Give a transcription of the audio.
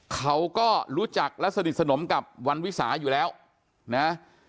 เขาก็รู้จักและสนิทสนมกับวันวิสาอยู่แล้วนะ